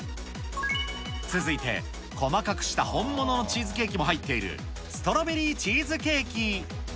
続いて細かくした本物のチーズケーキも入っているストロベリーチーズケーキ。